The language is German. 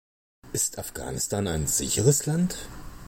Ist Afghanistan ein sicheres Land?